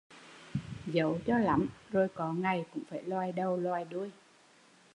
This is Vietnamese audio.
Dấu cho lắm rồi có ngày cũng phải lòi đầu lòi đuôi